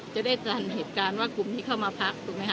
จะได้จำเหตุการณ์ว่ากลุ่มที่เข้ามาพักถูกไหมค